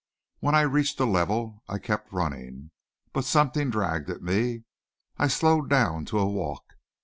When I reached a level I kept running; but something dragged at me. I slowed down to a walk.